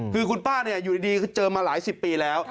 คือคุณป้าเนี่ยอยู่ดีเจอมาหลายสิบปีแล้ว